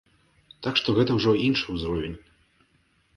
Так што гэта ўжо іншы ўзровень.